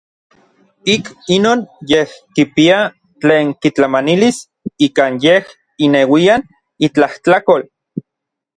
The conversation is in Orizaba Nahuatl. Ik inon yej kipia tlen kitlamanilis ikan yej ineuian itlajtlakol.